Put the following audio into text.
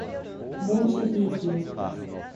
Montividiu